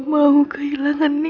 mau apa tante datang ke sini